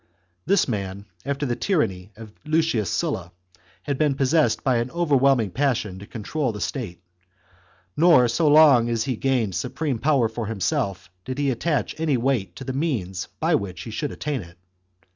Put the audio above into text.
This man, after the tyranny chap. v. of Luciu3 Sulla, had been possessed by an overwhelm ing passion to control the state, nor so long as he gained supreme power for himself did he attach any weight to the means by which he should attain it.